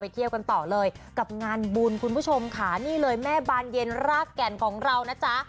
เที่ยวกันต่อเลยกับงานบุญคุณผู้ชมค่ะนี่เลยแม่บานเย็นรากแก่นของเรานะจ๊ะ